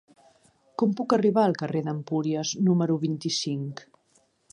Com puc arribar al carrer d'Empúries número vint-i-cinc?